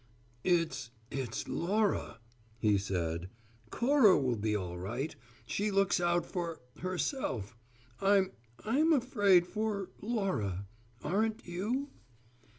"It's it's Laura," he said. "Cora will be all right. She looks out for herself. I'm I'm afraid for Laura. Aren't you?"